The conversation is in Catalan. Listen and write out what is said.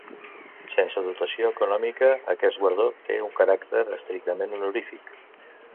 Sense dotació econòmica aquest guardó té un caràcter estrictament honorífic.